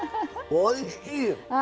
おいしい！